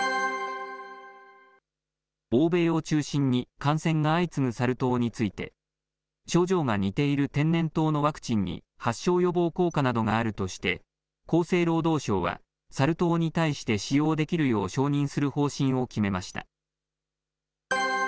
欧米を中心に感染が相次ぐサル痘について、症状が似ている天然痘のワクチンに、発症予防効果などがあるとして、厚生労働省は、サル痘に対して使用できるよう承認する方針を決めました。